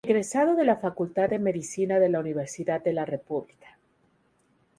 Egresado de la Facultad de Medicina de la Universidad de la República.